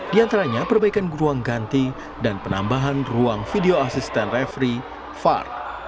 di antaranya perbaikan ruang ganti dan penambahan ruang video asisten referee var